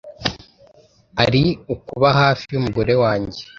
ari ukuba hafi y’umugore wanjye.”